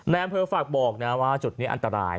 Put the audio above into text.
อำเภอฝากบอกนะว่าจุดนี้อันตราย